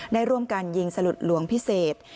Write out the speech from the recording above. ได้ร่วมกันยิงสลุดหลวงพิเศษ